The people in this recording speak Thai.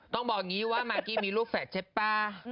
ต้องบอกงี้ว่ามากี้มีลูกแฝดใช่ป่า